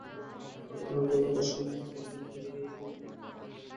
অনুরূপভাবে আকাশসমূহ পরিপূর্ণ রয়েছে ফেরেশতাকুলের দ্বারা।